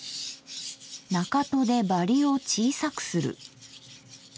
中砥でバリを小さくする。